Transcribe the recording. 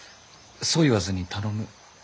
そう言わずに頼む。